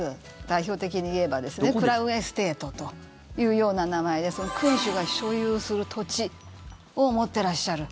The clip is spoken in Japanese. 代表的に言えばクラウン・エステートというような名前で君主が所有する土地を持っていらっしゃる。